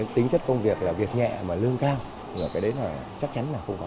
tính chất công việc là việc nhẹ mà lương cao cái đấy chắc chắn là không có